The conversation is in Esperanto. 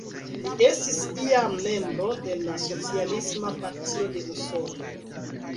Li estis iam membro de la Socialisma Partio de Usono.